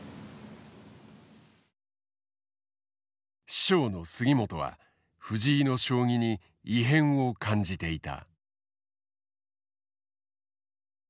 師匠の杉本は藤井の将棋に異変を感じていた。